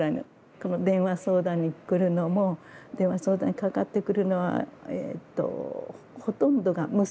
この電話相談に来るのも電話相談にかかってくるのはほとんどが娘です。